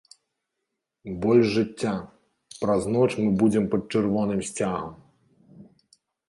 Больш жыцця, праз ноч мы будзем пад чырвоным сцягам!